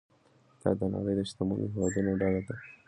دا د نړۍ د شتمنو هیوادونو ډله ده.